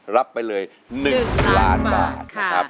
รับไปเลย๑ล้านบาทนะครับ